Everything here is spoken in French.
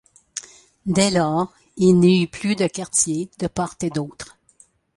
Dès lors, il n’y eut plus de quartier de part et d’autre.